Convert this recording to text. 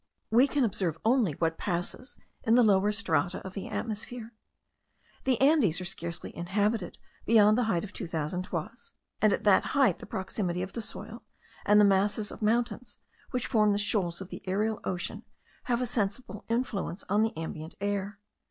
We can observe only what passes in the lower strata of the atmosphere. The Andes are scarcely inhabited beyond the height of two thousand toises; and at that height the proximity of the soil, and the masses of mountains, which form the shoals of the aerial ocean, have a sensible influence on the ambient air.